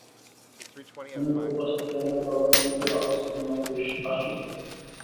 ফোনের ওপাশ থেকে আমার বাবার মৃদু আওয়াজ যেন আমাকে আশ্বস্ত করে।